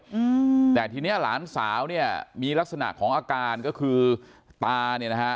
อืมแต่ทีเนี้ยหลานสาวเนี้ยมีลักษณะของอาการก็คือตาเนี่ยนะฮะ